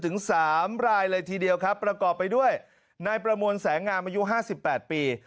ถึง๓รายเลยทีเดียวครับประกอบไปด้วยนายประมวลแสงงามอายุ๕๘ปี